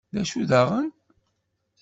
D acu daɣen?